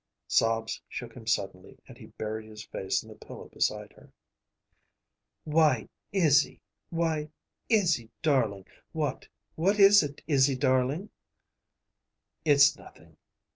Sobs shook him suddenly and he buried his face in the pillow beside her. "Why, Izzy! Why, Izzy darling, what what is it, Izzy darling?" "It's nothing.